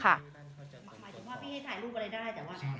หมายถึงว่าไม่ให้ถ่ายรูปอะไรได้แต่ว่า